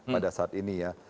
pada saat ini ya